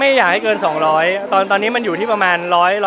อยากให้เกิน๒๐๐ตอนนี้มันอยู่ที่ประมาณ๑๐๐